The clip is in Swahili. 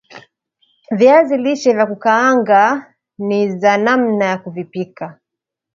Viazi lishe vya kukaanga nz namna ya kuvipika